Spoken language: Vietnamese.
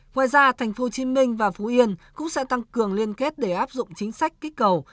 ngoài ra tp hcm và phú yên cũng sẽ tăng cường liên kết để áp dụng chính sách kích cầu